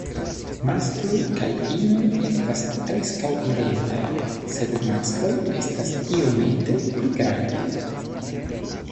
Maskloj kaj inoj estas preskaŭ identaj; sed maskloj estas iomete pli grandaj.